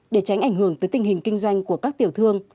để tránh ảnh hưởng tới tình hình kinh doanh của các tiểu thương